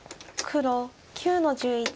黒９の十一。